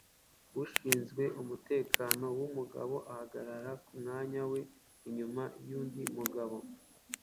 Ushinzwe umutekano wumugabo ahagarara kumwanya we inyuma yundi mugabo